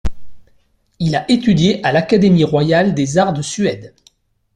Il a étudié à l'académie royale des arts de Suède.